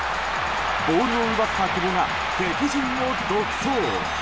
ボールを奪った久保が敵陣を独走。